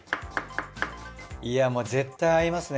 いや絶対合いますね